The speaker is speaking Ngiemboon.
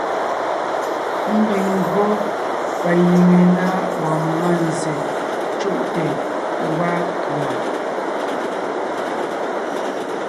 Ḿbiŋ ńgÿo pa giŋe na wɔɔn mánzsè cú’te ńgwaa kʉ̀a.